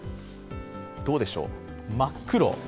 どうでしょう、真っ黒。